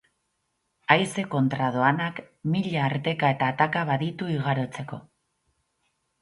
Haize kontra doanak mila arteka eta ataka baditu igarotzeko.